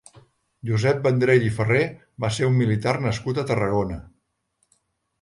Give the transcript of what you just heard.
Josep Vendrell i Ferrer va ser un militar nascut a Tarragona.